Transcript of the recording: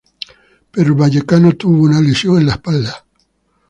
Pero el vallecano tuvo una lesión en la espalda.